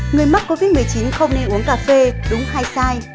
người mắc covid một mươi chín không đi uống cà phê đúng hay sai